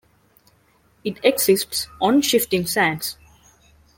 It exists on shifting sands.